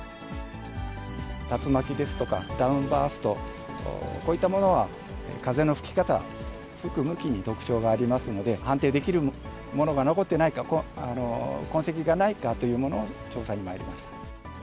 竜巻ですとか、ダウンバースト、こういったものは、風の吹き方、吹く向きに特徴がありますので、判定できるものが残ってないか、痕跡がないかというものを調査に参りました。